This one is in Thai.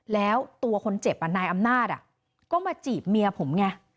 แล้วตัวคนเจ็บนายอำนาจก็มาจีบเมียผมไง